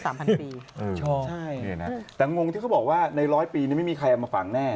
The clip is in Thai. ใช่นี่นะแต่งงที่เขาบอกว่าในร้อยปีนี่ไม่มีใครเอามาฝังแน่